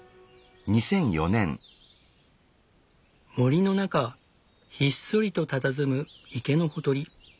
森の中ひっそりとたたずむ池のほとり。